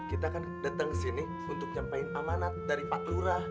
kita kan datang ke sini untuk nyampaikan amanat dari pak lurah